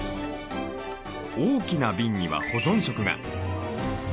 大きな瓶には保存食が。